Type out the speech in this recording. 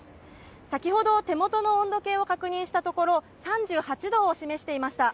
先ほど、手元の温度計を確認したところ３８度を示していました。